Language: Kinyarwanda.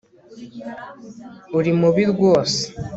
Uri mubi rwose